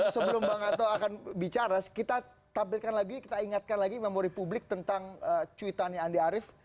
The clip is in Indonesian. sebelum bang anto akan bicara kita tampilkan lagi kita ingatkan lagi memori publik tentang cuitannya andi arief